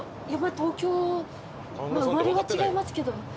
生まれは違いますけど。